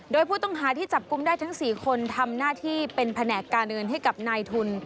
โดยผู้ต้องหาที่จับกลุ่มได้ทั้ง๔คนทำหน้าที่เป็นแผนกการเงินให้กับนายทุน